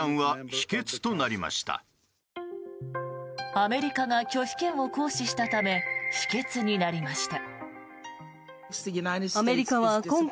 アメリカが拒否権を行使したため否決になりました。